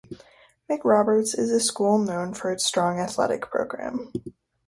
McRoberts is a school known for its strong athletic program.